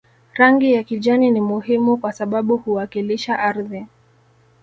Rangi ya kijani ni muhimu kwa sababu huwakilisha ardhi